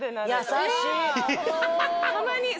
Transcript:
優しい！